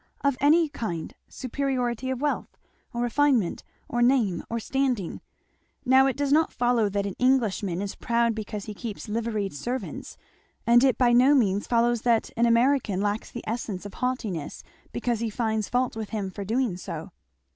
"Of any kind superiority of wealth, or refinement, or name, or standing. Now it does not follow that an Englishman is proud because he keeps liveried servants, and it by no means follows that an American lacks the essence of haughtiness because he finds fault with him for doing so."